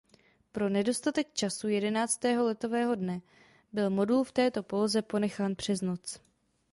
Pro nedostatek času jedenáctého letového dne byl modul v této poloze ponechán přes noc.